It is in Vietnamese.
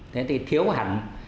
thế thì thiếu hẳn